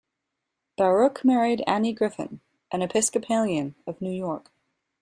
Baruch married Annie Griffin, an Episcopalian, of New York.